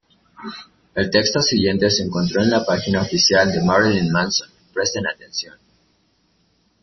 El texto siguiente se encontró en la página oficial de Marilyn Manson: "Presten atención!